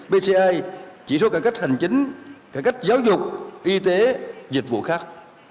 bci chỉ số cải cách hành chính cải cách giáo dục y tế dịch vụ khác